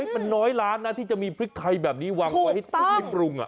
มันน้อยล้านนะที่จะมีพริกไทยแบบนี้วางไว้ให้ปรุง